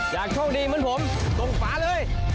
อยากโชคดีเหมือนผมตรงฝาเลย